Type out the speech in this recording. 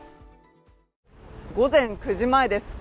午前９時前です。